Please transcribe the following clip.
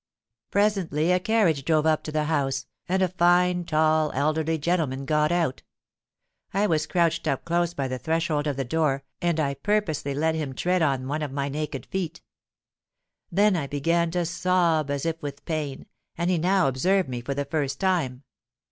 Presently a carriage drove up to the house, and a fine, tall, elderly gentleman got out. I was crouched up close by the threshold of the door, and I purposely let him tread on one of my naked feet. Then I began to sob as if with pain; and he now observed me for the first time.